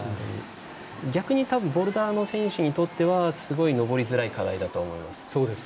逆にボルダーの選手にとってはすごい登りづらい課題だと思います。